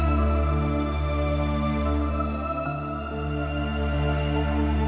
jadi apa caraeee